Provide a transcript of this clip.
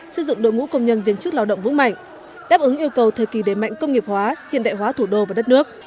xây dựng đội ngũ công nhân viên chức lao động vững mạnh đáp ứng yêu cầu thời kỳ đề mạnh công nghiệp hóa hiện đại hóa thủ đô và đất nước